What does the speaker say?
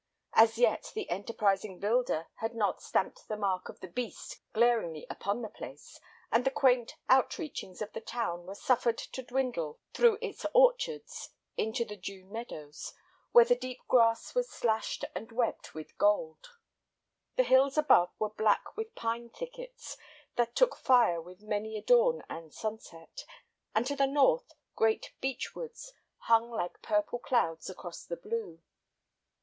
As yet the enterprising builder had not stamped the mark of the beast glaringly upon the place, and the quaint outreachings of the town were suffered to dwindle through its orchards into the June meadows, where the deep grass was slashed and webbed with gold. The hills above were black with pine thickets that took fire with many a dawn and sunset, and to the north great beech woods hung like purple clouds across the blue.